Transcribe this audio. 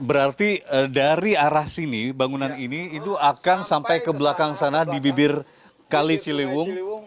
berarti dari arah sini bangunan ini itu akan sampai ke belakang sana di bibir kali ciliwung